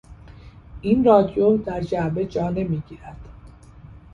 این رادیو در جعبه جا نمیگیرد.